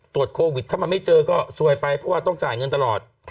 ตรวจโควิดถ้ามันไม่เจอก็ซวยไปเพราะว่าต้องจ่ายเงินตลอด